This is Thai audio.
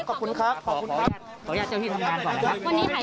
ขออนุญาตนะครับ